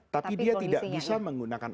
tapi dia tidak bisa menggunakan